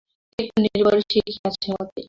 একটু নির্ভর শিখিয়াছে মতি।